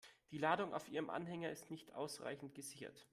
Die Ladung auf Ihrem Anhänger ist nicht ausreichend gesichert.